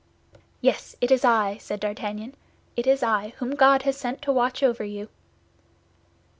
"Yes, it is I," said D'Artagnan, "it is I, whom God has sent to watch over you."